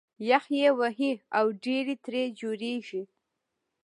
یخ یې وهي او ډېرۍ ترې جوړېږي